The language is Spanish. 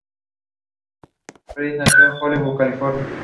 Es mejor conocido como su personaje en el ring, el luchador mexicano, El Ligero.